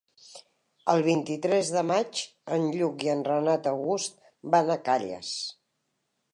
El vint-i-tres de maig en Lluc i en Renat August van a Calles.